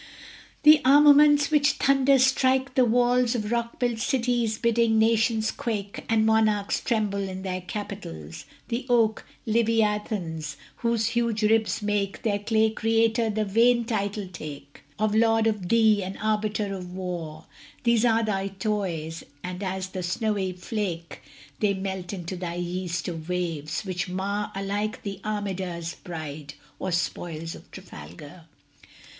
The armaments which thunderstrike the walls Of rock built cities, bidding nations quake And monarchs tremble in their capitals, The oak leviathans, whose huge ribs make Their clay creator the vain title take Of lord of thee, and arbiter of war, These are thy toys, and as the snowy flake, They melt into thy yeast of waves, which mar Alike the Armada's pride, or spoils of Trafalgar.